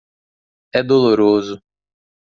É doloroso.